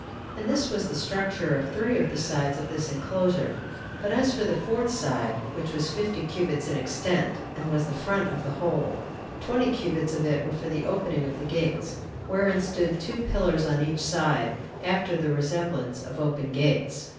And this was the structure of three of the sides of this enclosure; but as for the fourth side, which was fifty cubits in extent, and was the front of the whole, twenty cubits of it were for the opening of the gates, wherein stood two pillars on each side, after the resemblance of open gates.